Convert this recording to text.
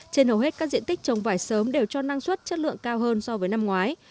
trên hầu hết các diện tích trồng vải sớm đều cho năng suất chất lượng cao hơn so với năm ngoái